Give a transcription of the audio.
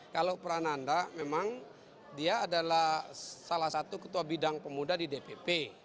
kalau prananda memang dia adalah salah satu ketua bidang pemuda di dpp